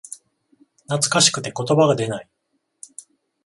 懐かしくて言葉が出ない